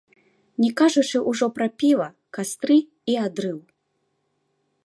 Не кажучы ўжо пра піва, кастры і адрыў.